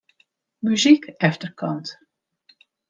Muzyk efterkant.